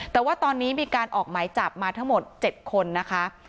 แต่ว่าตอนนี้มีการออกหมายจับมาทั้งหมด๗คนนะคะ